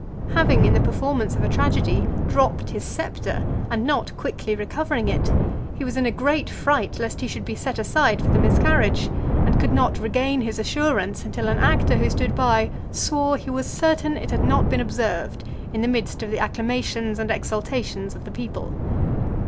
Having, in the performance of a tragedy, dropped his sceptre, and not quickly recovering it, he was in a great fright, lest he should be set aside for the miscarriage, and could not regain his assurance, until an actor who stood by swore he was certain it had not been observed in the midst of the acclamations and exultations of the people.